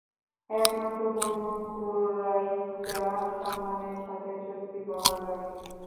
একমাত্র Banu Qurayza সম্মানের সাথে চুক্তি বহাল রাখে।